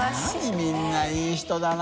みんないい人だな。